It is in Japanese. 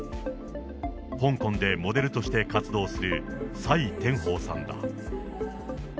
香港でモデルとして活動する、蔡天鳳さんだ。